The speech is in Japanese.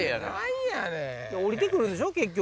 下りて来るんでしょ結局。